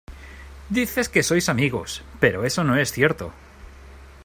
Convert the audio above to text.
dices que sois amigos, pero eso no es cierto.